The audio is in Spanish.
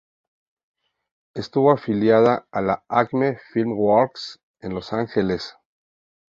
Estuvo afiliada a la Acme Filmworks en Los Ángeles.